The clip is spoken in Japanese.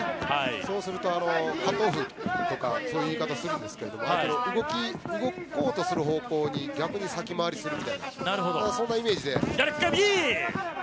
そうするとカットオフとかそういう言い方をしますけど動こうとする方向に逆に先回りするイメージで。